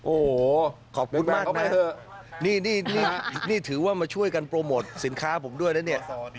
โอ้โหขอบคุณมากนี่ถือว่ามาช่วยกันโปรโมทสินค้าผมด้วยนะเนี่ย